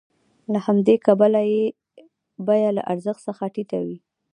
له همدې کبله یې بیه له ارزښت څخه ټیټه وي